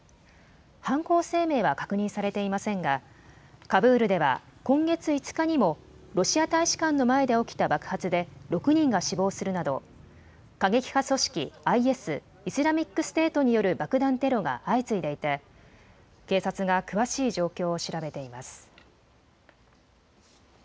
犯行声明は確認されていませんがカブールでは今月５日にもロシア大使館の前で起きた爆発で６人が死亡するなど過激派組織ＩＳ・イスラミックステートによる爆弾テロが相次いでいて警察が詳しい状況を調べています。